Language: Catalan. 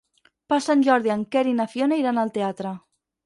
Per Sant Jordi en Quer i na Fiona iran al teatre.